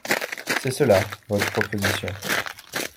C’est cela, votre proposition.